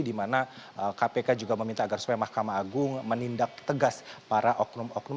dimana kpk juga meminta agar supaya mahkamah agung menindak tegas para oknum oknum